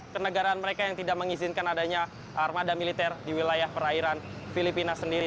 kenegaraan mereka yang tidak mengizinkan adanya armada militer di wilayah perairan filipina sendiri